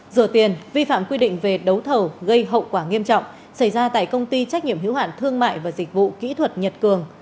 rửa tiền vi phạm quy định về đấu thầu gây hậu quả nghiêm trọng xảy ra tại công ty trách nhiệm hiếu hạn thương mại và dịch vụ kỹ thuật nhật cường